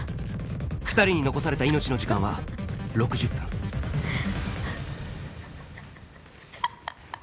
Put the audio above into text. ２人に残された命の時間は６０分ハハハ！